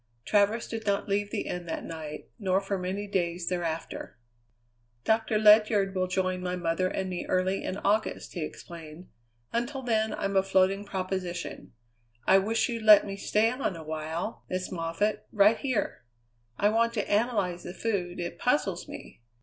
Travers did not leave the inn that night, nor for many days thereafter. "Doctor Ledyard will join my mother and me early in August," he explained; "until then I'm a floating proposition. I wish you'd let me stay on a while, Miss Moffatt, right here. I want to analyze the food, it puzzles me.